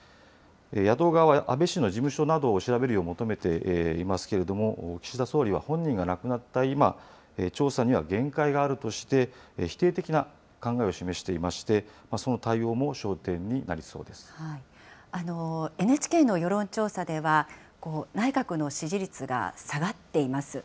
野党側は安倍氏の事務所などを調べるよう求めていますけれども、岸田総理は本人が亡くなった今、調査には限界があるとして、否定的な考えを示していまして、ＮＨＫの世論調査では、内閣の支持率が下がっています。